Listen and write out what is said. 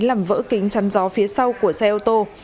làm vỡ kính chăn gió phía sau của xe ô tô